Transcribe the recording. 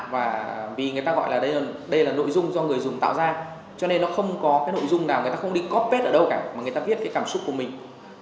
và vì người ta gọi là đây là nội dung do người dùng tạo ra cho nên nó không có cái nội dung nào người ta không đi coppad ở đâu cả mà người ta viết cái cảm xúc của mình